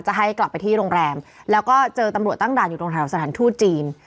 ให้กลับไปที่โรงแรมแล้วก็เจอตำรวจตั้งด่านอยู่ตรงแถวสถานทูตจีน